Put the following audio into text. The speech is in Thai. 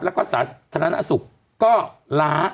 แล้วก็สาธารณสุขก็ล้า